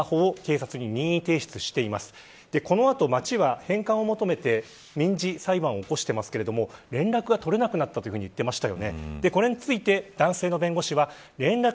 この後、町は返還を求めて民事裁判を起こしていますが連絡が取れなくなったと言っていました。